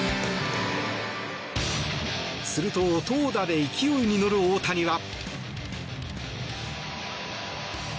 すると投打で勢いに乗る大谷は。